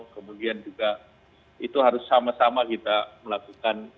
kemudian juga itu harus sama sama kita melakukan